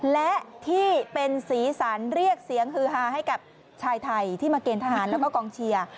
และที่เป็นสีสันเรียกเสียงฮือฮาให้กับชายไทยที่มาเกณฑ์ทหารแล้วก็กองเชียร์